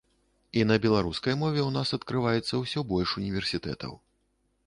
І на беларускай мове ў нас адкрываецца ўсё больш універсітэтаў.